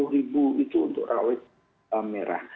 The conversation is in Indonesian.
rp sembilan puluh itu untuk rawit merah